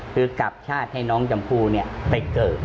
คือกลับชาติให้น้องชมพู่ไปเกิด